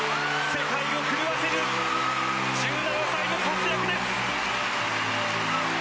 世界を震わせる１７歳の活躍です。